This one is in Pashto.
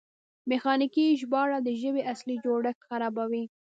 میخانیکي ژباړه د ژبې اصلي جوړښت خرابوي.